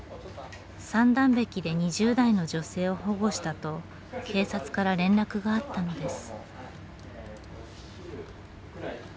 三段壁で２０代の女性を保護したと警察から連絡があったのです。